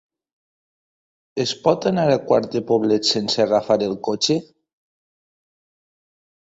Es pot anar a Quart de Poblet sense agafar el cotxe?